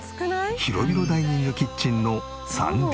広々ダイニングキッチンの３ＤＫ。